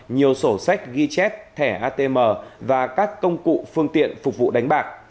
nhiều sổ sách ghi chép thẻ atm và các công cụ phương tiện phục vụ đánh bạc